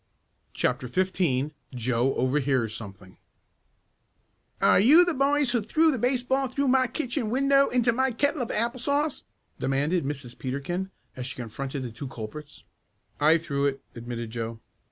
CHAPTER XV JOE OVERHEARS SOMETHING "Are you the boys who threw the baseball through my kitchen window into my kettle of apple sauce?" demanded Mrs. Peterkin, as she confronted the two culprits. "I threw it," admitted Joe.